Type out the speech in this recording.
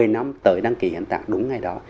một mươi năm tới đăng ký hiến tạng đúng ngày đó